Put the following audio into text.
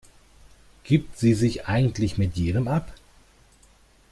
Gibt sie sich eigentlich mit jedem ab?